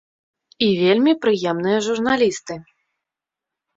І вельмі прыемныя журналісты.